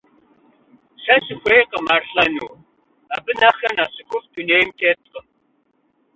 Сэ сыхуейкъым ар лӀэну, абы нэхърэ нэхъ цӀыхуфӀ дунейм теткъым.